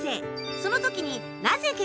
その時に。